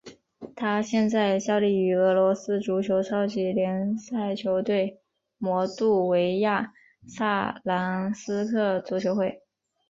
他现在效力于俄罗斯足球超级联赛球队摩度维亚萨兰斯克足球会。